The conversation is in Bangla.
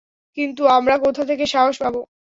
কিন্তু আমরা কোথা থেকে সাহস পাব?